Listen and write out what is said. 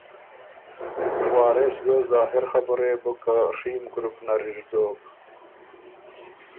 وارث ګۀ ظا هر خبُره يې بُک که ڒیم ګروپ نر اِر زوک۔